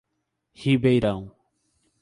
Ribeirão